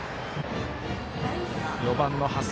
４番の長谷。